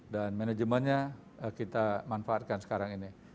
dan manajemennya kita manfaatkan sekarang ini